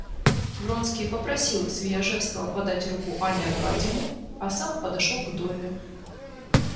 Вронский попросил Свияжского подать руку Анне Аркадьевне, а сам подошел к Долли.